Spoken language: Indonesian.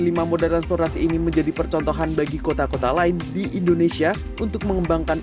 lima moda transportasi ini menjadi percontohan bagi kota kota lain di indonesia untuk mengembangkan